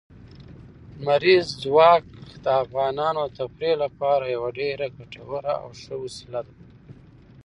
لمریز ځواک د افغانانو د تفریح لپاره یوه ډېره ګټوره او ښه وسیله ده.